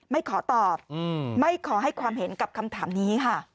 ไม่ขอตอบไม่ขอให้ความเห็นกับคำถามนี้ค่ะ